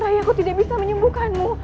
raya aku tidak bisa menyembuhkanmu